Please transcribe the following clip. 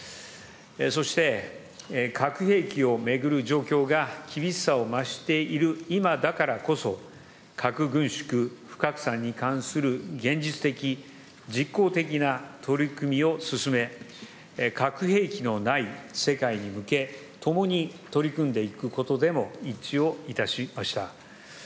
そして、核兵器を巡る状況が厳しさを増している今だからこそ、核軍縮、不拡散に関する現実的、実効的な取り組みを進め、核兵器のない世界に向け、共に取り組んでいくことでも一致をいたしました。